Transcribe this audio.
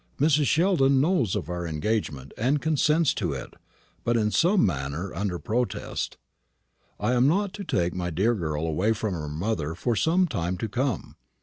Mrs. Sheldon knows of our engagement, and consents to it, but in some manner under protest. I am not to take my dear girl away from her mother for some time to come.